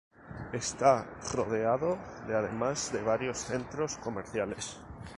Está rodeado de además de varios centros comerciales.